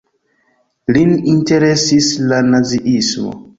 Lin interesis la Naziismo.